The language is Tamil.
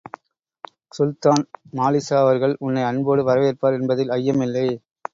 சுல்தான் மாலிக்ஷா அவர்கள் உன்னை அன்போடு வரவேற்பார் என்பதில் ஐயமில்லை.